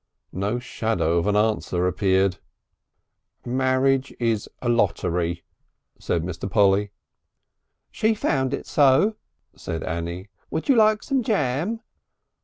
No shadow of an answer appeared. "Marriage is a lottery," said Mr. Polly. "She found it so," said Annie. "Would you like some jam?"